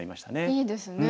いいですね。